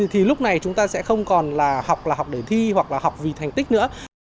thì lúc này chúng ta sẽ không còn là học là học để thi hoặc là học vì thành tích nữa